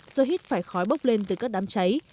do hít phải khói bốc lên từ các đám cháy